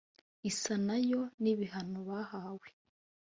isano na yo n’ibihano bahawe